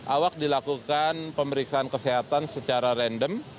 awak dilakukan pemeriksaan kesehatan secara random